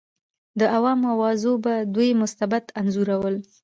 د عوامو اوازو به دوی مستبد انځورول.